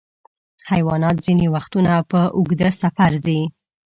حیوانات ځینې وختونه په اوږده سفر ځي.